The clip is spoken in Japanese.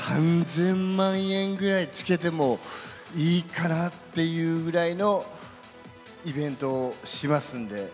３０００万円ぐらいつけてもいいかなっていうぐらいのイベントをしますんで。